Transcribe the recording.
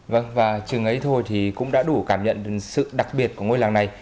vâng và chừng ấy thôi thì cũng đã đủ cảm nhận sự đặc biệt của ngôi làng này